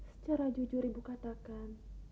secara jujur ibu katakan